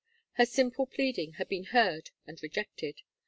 Her simple pleading had been heard and rejected.